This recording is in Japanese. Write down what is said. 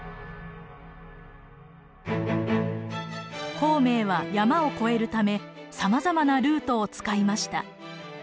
孔明は山を越えるためさまざまなルートを使いました。